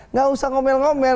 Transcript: nggak usah ngomel ngomel